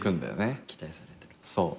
期待されてるとね